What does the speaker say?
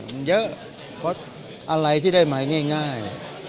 มันเยอะเพราะอะไรที่ได้มาง่าย